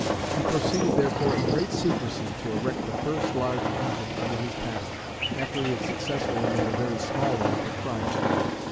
He proceeded therefore in great secrecy to erect the first large engine under his patent, after he had successfully made a very small one for trial.